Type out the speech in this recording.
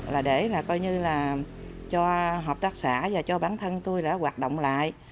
là để là coi như là cho hợp tác xã và cho bản thân tôi đã hoạt động lại